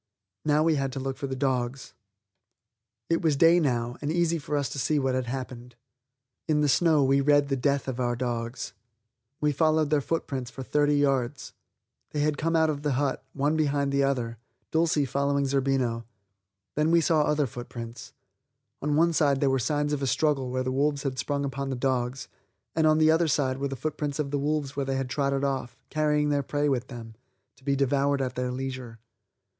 Now we had to look for the dogs. It was day now and easy for us to see what had happened. In the snow we read the death of our dogs. We followed their footprints for thirty yards. They had come out of the hut, one behind the other, Dulcie following Zerbino. Then we saw other footprints. On one side there were signs of a struggle where the wolves had sprung upon the dogs, and on the other sides were the footprints of the wolves where they trotted off, carrying their prey with them, to be devoured at their leisure.